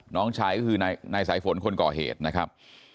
น้องชายก็คือนายสายฝนคนก่อเหตุนะครับ